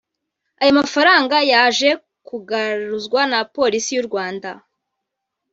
Aya mafaranga yaje kugaruzwa na Polisi y’u Rwanda